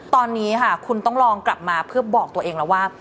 ตอนนี้ค่ะคุณต้องลองกลับมาเพื่อบอกตัวเองแล้วว่า